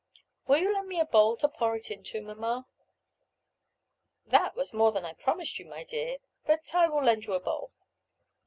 "Will you lend me a bowl to pour it into, mamma?" "That was more than I promised you, my dear; but I will lend you a bowl."